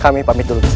kami pamit dulu disana